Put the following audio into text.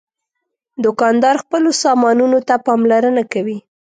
دوکاندار خپلو سامانونو ته پاملرنه کوي.